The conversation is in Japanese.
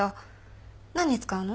何に使うの？